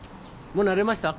もう慣れました？